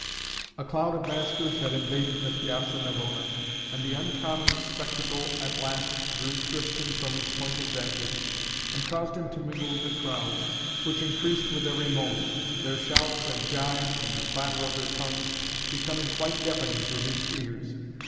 A crowd of maskers had invaded the Piazza Navona, and the uncommon spectacle at last drew Tristan from his point of vantage and caused him to mingle with the crowds, which increased with every moment, their shouts and gibes and the clatter of their tongues becoming quite deafening to his ears.